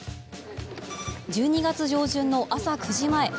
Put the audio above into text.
１２月上旬の朝９時前